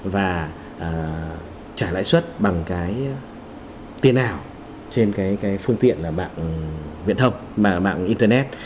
và trả lãi suất bằng cái tiền ảo trên cái phương tiện là mạng viện thập mạng internet